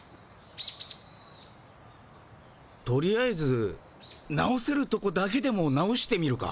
とりあえず直せるとこだけでも直してみるか。